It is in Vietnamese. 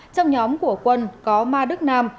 trong nhóm của quân có ma đức nam